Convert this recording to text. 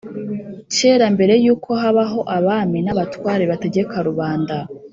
kera mbere y’uko habaho abami n’abatware bategeka rubanda.